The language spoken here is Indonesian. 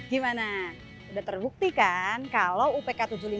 gimana udah terbuktikan kalau upk tujuh puluh lima itu adalah alat bayar yang sah